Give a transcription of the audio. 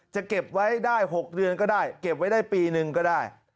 จะเก็บไว้ได้๖เดือนก็ได้เก็บไว้ได้ปีนึงก็ได้